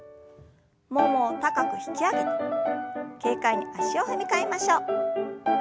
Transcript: ももを高く引き上げて軽快に足を踏み替えましょう。